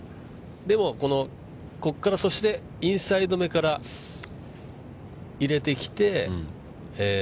でも、ここからインサイドめから入れてきて。